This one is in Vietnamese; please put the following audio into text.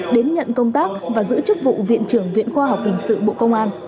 đến nhận công tác và giữ chức vụ viện trưởng viện khoa học hình sự bộ công an